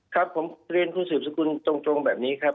ครับผมเรียนคุณสืบสกุลตรงแบบนี้ครับ